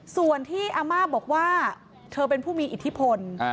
ส่วนที่อาม่าบอกว่าเธอเป็นผู้มีอิทธิพล